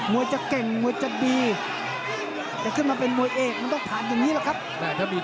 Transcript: มัวจะเก่งมัวจะดี